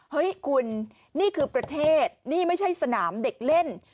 เฮ้ยคุณนี่คือประเทศนี่ไม่ใช่สนามเด็กเล่น